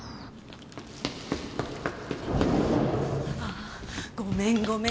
あごめんごめん！